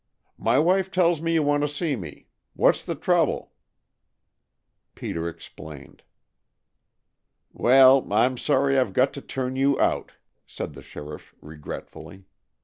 "My wife tells me you want to see me. What's the trouble?" Peter explained. "Well, I'm sorry I've got to turn you out," said the sheriff regretfully.